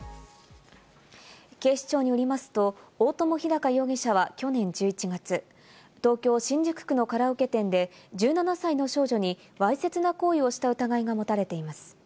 警視庁によりますと、大友飛和容疑者は去年１１月、東京・新宿区のカラオケ店で１７歳の少女にわいせつな行為をした疑いが持たれています。